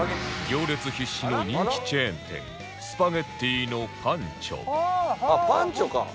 行列必至の人気チェーン店スパゲッティーのパンチョあっパンチョか。